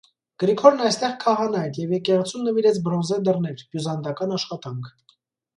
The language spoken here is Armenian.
Գրիգորն այստեղ քահանա էր և եկեղեցուն նվիրեց բրոնզե դռներ (բյուզանդական աշխատանք)։